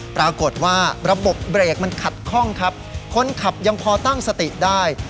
ปรากฏว่าระบบเบรกมันขัดข้องครับคนขับยังพอตั้งสติได้